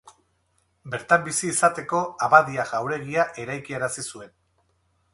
Bertan bizi izateko Abadia jauregia eraikiarazi zuen.